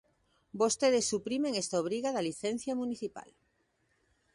Vostedes suprimen esta obriga da licenza municipal.